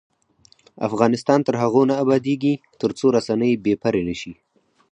افغانستان تر هغو نه ابادیږي، ترڅو رسنۍ بې پرې نشي.